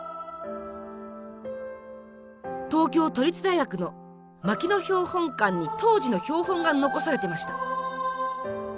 東京都立大学の牧野標本館に当時の標本が残されてました。